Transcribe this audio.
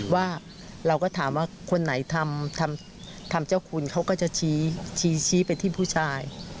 ว่าเราก็ถามว่าคนไหนทำเจ้าคุณเขาก็จะชี้ไปที่ผู้ชาย